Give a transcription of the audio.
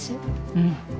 うん。